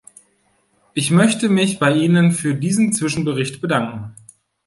Ich möchte mich bei Ihnen für diesen Zwischenbericht bedanken.